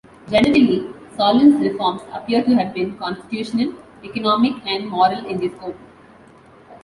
Generally, Solon's reforms appear to have been constitutional, economic and moral in their scope.